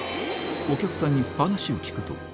お客さんに話を聞くと。